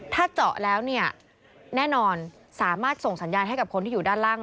ถ้าเจาะแล้วเนี่ยแน่นอนสามารถส่งสัญญาณให้กับคนที่อยู่ด้านล่าง